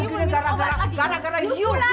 kamu minum obat lagi sepenuhnya